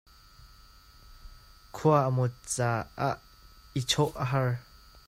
Khua a mawt caah i chawh a har.